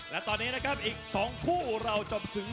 และตอนนี้นะครับอีก๒คู่เราจบถึง